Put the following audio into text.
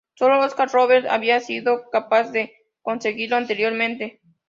Solo Oscar Robertson había sido capaz de conseguirlo anteriormente.